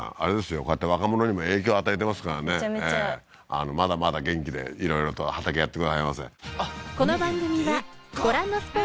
こうやって若者にも影響与えてますからねまだまだ元気でいろいろと畑やってくださいませ